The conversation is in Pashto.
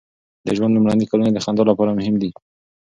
د ژوند لومړني کلونه د خندا لپاره مهم دي.